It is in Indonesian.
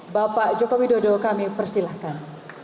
bapak jokowi dodo kami persilahkan